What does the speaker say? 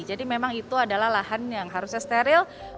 jadi memang itu adalah lahan yang harusnya steril